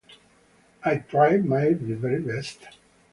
I tried my very best.